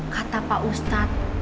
kata pak ustad